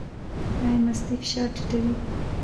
ایا مستې فشار ټیټوي؟